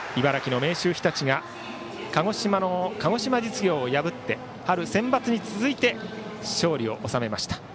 茨城の明秀日立が鹿児島の鹿児島実業を破って春センバツに続いて勝利を収めました。